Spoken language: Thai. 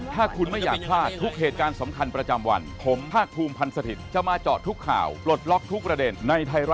ถ้าคุณมีวิกฤตชีวิตที่หาทางออกไม่ได้